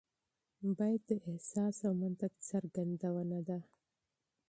شعر د احساس او منطق څرګندونه ده.